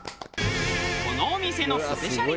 このお店のスペシャリテ